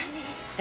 え？